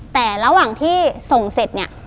แต่ระหว่างที่ส่งเสร็จเนี่ย